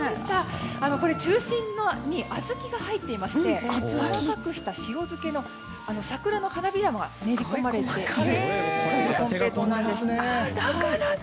これ、中心に小豆が入っていましてやわらかくした塩漬けの桜の花びらも練りこまれている金平糖です。